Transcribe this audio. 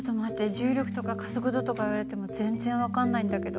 重力とか加速度とか言われても全然分かんないんだけど。